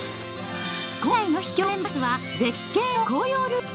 今回の秘境路線バスは絶景の紅葉ルート。